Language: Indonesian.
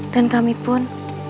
dan kami pun